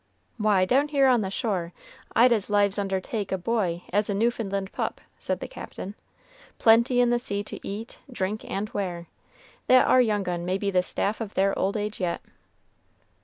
"Why, down here on the shore, I'd as lives undertake a boy as a Newfoundland pup," said the Captain. "Plenty in the sea to eat, drink, and wear. That ar young un may be the staff of their old age yet."